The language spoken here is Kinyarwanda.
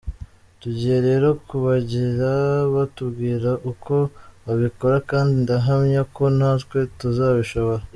Tugiye rero kubegera batubwire uko babikora, kandi ndahamya ko natwe tuzabishobora.